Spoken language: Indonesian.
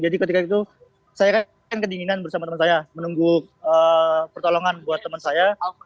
jadi ketika itu saya kan kedinginan bersama teman saya menunggu pertolongan buat teman saya